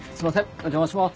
お邪魔します。